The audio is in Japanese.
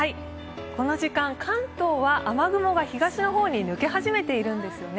この時間、関東は雨雲が東の方に抜け始めているんですよね。